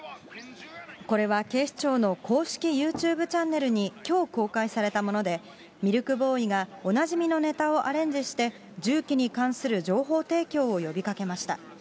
これは警視庁の公式ユーチューブチャンネルにきょう公開されたもので、ミルクボーイがおなじみのネタをアレンジして、銃器に関する情報提供を呼びかけました。